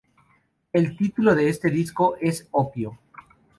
El título de este disco es "Opio".